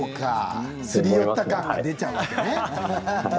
すり寄った感出ちゃうんですね。